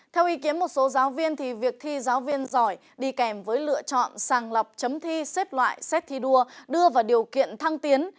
theo ý kiến một số giáo viên thì việc thi giáo viên giỏi đi kèm với lựa chọn sàng lọc chấm thi xếp loại xét thi đua đưa vào điều kiện thăng tiến